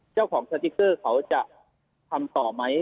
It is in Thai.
เจ้าของสติกเตอร์เขาจะทำต่อไหม